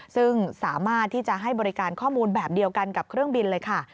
ซึ่งสามารถที่จะให้บริการข้อมูลแบบเดียวกันกับเครื่องบินเลยค่ะ